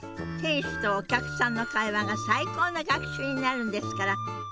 店主とお客さんの会話が最高の学習になるんですから。